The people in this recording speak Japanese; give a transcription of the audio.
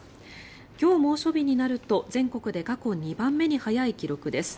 今日猛暑日になると全国で過去２番目に早い記録です。